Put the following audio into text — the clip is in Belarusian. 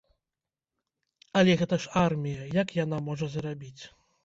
Але гэта ж армія, як яна можа зарабіць?